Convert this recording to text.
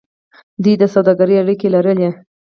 دوی د سوداګرۍ اړیکې لرلې.